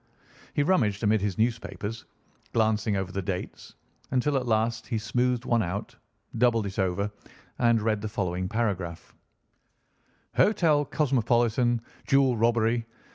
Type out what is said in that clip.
He rummaged amid his newspapers, glancing over the dates, until at last he smoothed one out, doubled it over, and read the following paragraph: "Hotel Cosmopolitan Jewel Robbery.